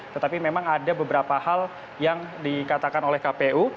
tetapi memang ada beberapa hal yang dikatakan oleh kpu